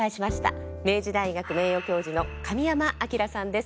明治大学名誉教授の神山彰さんです。